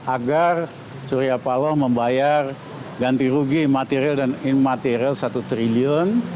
agar surya paloh membayar ganti rugi material dan material rp satu triliun